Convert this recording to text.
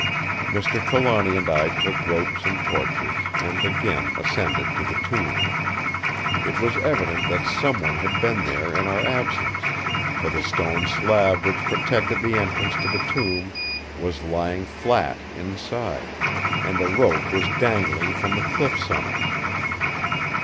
"Mr. Trelawny and I took ropes and torches, and again ascended to the tomb. It was evident that someone had been there in our absence, for the stone slab which protected the entrance to the tomb was lying flat inside, and a rope was dangling from the cliff summit.